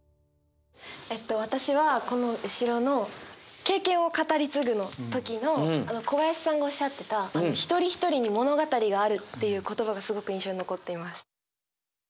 私はこの後ろの「経験を語り継ぐ」の時の小林さんがおっしゃってた「一人一人に物語がある」っていう言葉がすごく印象に残っています。